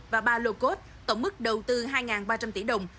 và ba lô cốt tổng mức đầu tư hai ba trăm linh tỷ đồng